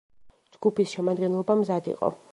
ჯგუფის შემადგენლობა მზად იყო.